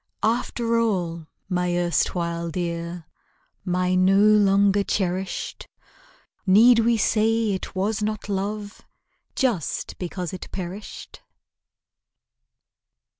After all, my erstwhile dear, My no longer cherished, Need we say it was not love, Just because it perished?